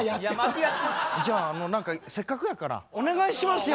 じゃああの何かせっかくやからお願いしますよ